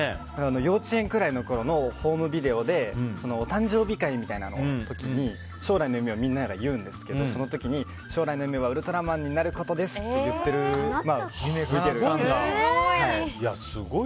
幼稚園くらいのころのホームビデオでお誕生日会の時に将来の夢をみんなが言うんですけどその時に、将来の夢はウルトラマンになることですって言っているビデオがあって。